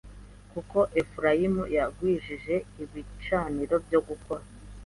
Kuko Efurayimu yagwijije ibicaniro byo gukora